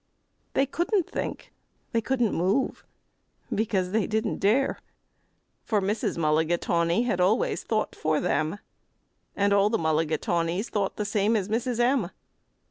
They couldn't think, they couldn't move, because they didn't dare; For Mrs. Mulligatawny had always thought for them, And all the Mulligatawnys thought the same as Mrs. M.